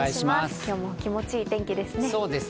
今日も気持ち良い天気ですね。